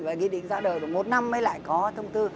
và nghị định ra đời được một năm mới lại có thông tư